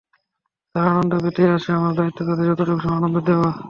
তাঁরা আনন্দ পেতেই আসে, আমার দায়িত্ব তাঁদের যতটুকু সম্ভব আনন্দ দেওয়া।